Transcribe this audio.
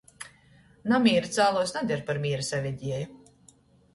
Namīra cāluojs nader par mīra savedieju.